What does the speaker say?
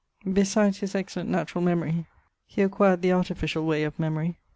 Besides his excellent naturall memorie, he acquired the artificiall way of memorie.